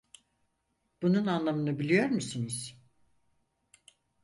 Bunun anlamını biliyor musunuz?